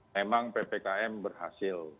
memang ppkm berhasil